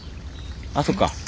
あそっか。